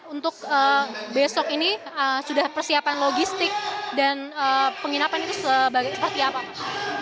untuk besok ini sudah persiapan logistik dan penginapan itu seperti apa pak